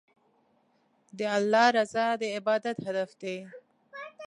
د الله رضا د عبادت هدف دی.